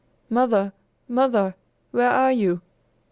Mother! Mother, where are you?"